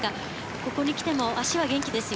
ここに来ても足は元気ですよ。